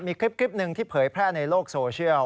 มีคลิปหนึ่งที่เผยแพร่ในโลกโซเชียล